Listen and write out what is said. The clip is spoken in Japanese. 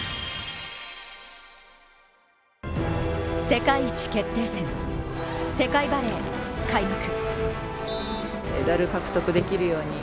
世界一決定戦、世界バレー開幕。